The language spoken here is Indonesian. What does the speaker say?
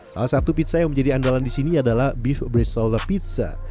salah satu pizza yang menjadi andalan di sini adalah beef bree solar pizza